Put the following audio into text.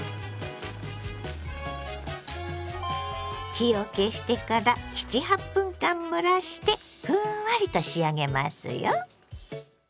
火を消してから７８分間蒸らしてふんわりと仕上げますよ。